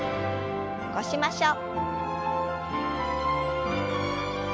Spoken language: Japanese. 起こしましょう。